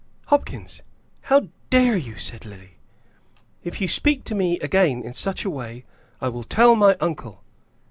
"Hopkins, how dare you?" said Lily. "If you speak to me again in such a way, I will tell my uncle."